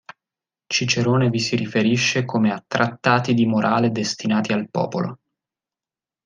Cicerone vi si riferisce come a trattati di morale destinati al popolo.